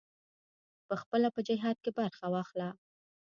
پخپله په جهاد کې برخه واخله.